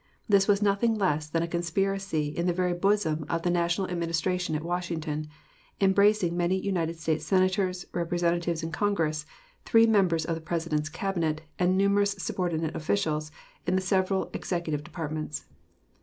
This was nothing less than a conspiracy in the very bosom of the National Administration at Washington, embracing many United States Senators, Representatives in Congress, three members of the President's Cabinet, and numerous subordinate officials in the several Executive departments.